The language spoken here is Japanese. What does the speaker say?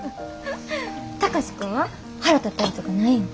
貴司君は腹立ったりとかないん？